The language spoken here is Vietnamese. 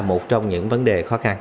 một trong những vấn đề khó khăn